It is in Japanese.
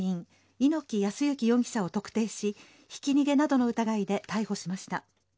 猪木康之容疑者を特定しひき逃げなどの疑いで逮捕しました。